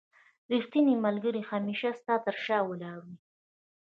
رښتينی ملګري هميشه ستا تر شا ولاړ وي.